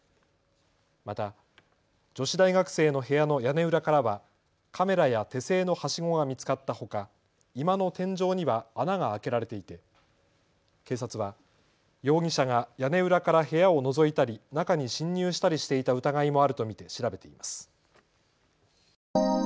また女子大学生の部屋の屋根裏からはカメラや手製のはしごが見つかったほか、居間の天井には穴が開けられていて警察は容疑者が屋根裏から部屋をのぞいたり、中に侵入したりしていた疑いもあると見て調べています。